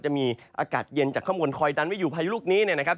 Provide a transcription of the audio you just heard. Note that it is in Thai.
จะมีอากาศเย็นจากข้างบนคอยดันไว้อยู่พายุลูกนี้เนี่ยนะครับ